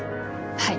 はい。